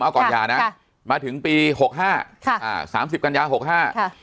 ค่ะมาถึงปีหกห้าค่ะอ่าสามสิบกันยาหกห้าค่ะ